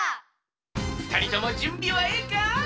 ふたりともじゅんびはええか？